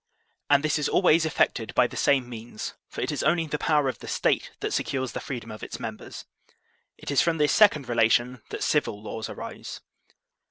And this is always eflfected by the same means; for it is only the power of the State that secures the freedom of its members. It is from this second relation that civil laws arise.